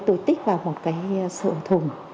tôi tích vào một cái sợi thùng